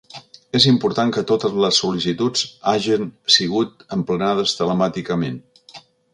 És important que totes les sol·licituds hagen sigut emplenades telemàticament.